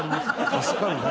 助かるね。